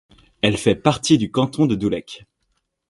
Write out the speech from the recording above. Elle fait partie du canton de Doulek.